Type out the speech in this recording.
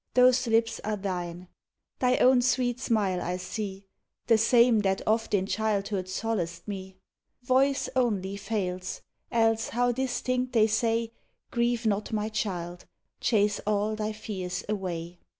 Those lips are thine, — thy own sweet smile I SL*e, The same that oft in childhood solaced me; Voice only fails, else how distinct they say, " Grieve not, my child; chase all thy fears away!